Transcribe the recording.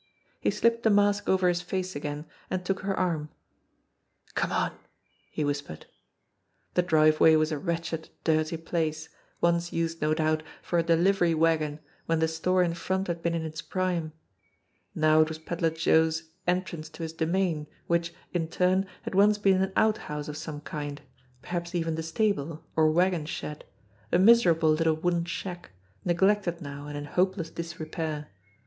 He slipped the mask over his face again, and took her arm. "Come on !" he whispered. The driveway was a wretched, dirty place, once used no doubt for a delivery wagon when the store in front had been in its prime ; now it was Pedler Joe's entrance to his domain, which, in turn, had once been an out house of some kind, perhaps even the stable, or wagon shed, a miserable little wooden shack, neglected now and in hopeless disrepair.